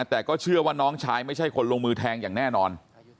แต่ก็เชื่อว่าน้องชายไม่ใช่คนลงมือแทงอย่างแน่นอน